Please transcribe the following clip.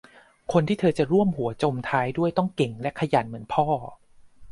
คนที่เธอจะร่วมหัวจมท้ายด้วยต้องเก่งและขยันเหมือนพ่อ